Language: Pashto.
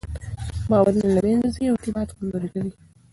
باورونه له منځه ځي او اعتماد کمزوری کېږي.